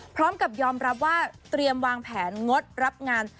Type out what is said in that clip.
พร้อมกับยอมรับว่าเตรียมวางแผนงดรับงาน